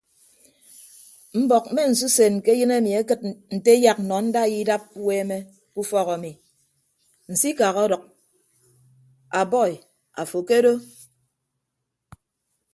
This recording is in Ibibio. Mbọk mme nsusen ke ayịn ami akịd nte eyak nọ ndaiya idap uweeme ke ufọk ami nsikak ọdʌk a bọi afo kedo.